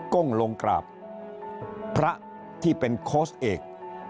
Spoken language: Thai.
ก้มลงกราบพระที่เป็นโค้ชเอก